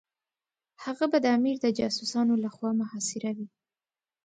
هغه به د امیر د جاسوسانو لخوا محاصره وي.